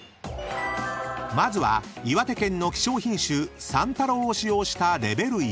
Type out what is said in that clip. ［まずは岩手県の希少品種さんたろうを使用したレベル１］